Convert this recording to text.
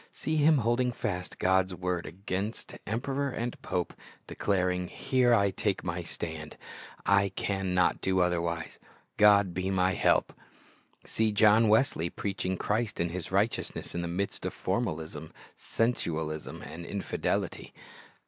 See him holding fast God's word against emperor and pope, declaring, "Here I take my "Like a Grain of Mustard Seed'' 79 stand; I can not do otherwise. God be my help." See John Wesley preaching Christ and His righteousness in the midst of formalism, sensualism, and infidelity.